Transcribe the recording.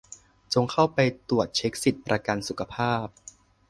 จงเข้าไปตรวจเช็คสิทธิ์ ประกันสุขภาพ